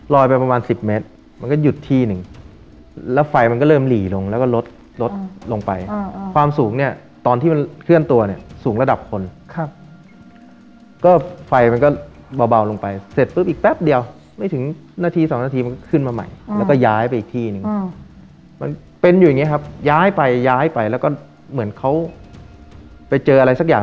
ไปประมาณ๑๐เมตรมันก็หยุดที่หนึ่งแล้วไฟมันก็เริ่มหลีลงแล้วก็ลดลดลงไปความสูงเนี่ยตอนที่มันเคลื่อนตัวเนี่ยสูงระดับคนครับก็ไฟมันก็เบาลงไปเสร็จปุ๊บอีกแป๊บเดียวไม่ถึงนาทีสองนาทีมันก็ขึ้นมาใหม่แล้วก็ย้ายไปอีกที่หนึ่งมันเป็นอยู่อย่างนี้ครับย้ายไปย้ายไปแล้วก็เหมือนเขาไปเจออะไรสักอย่าง